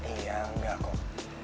iya enggak kok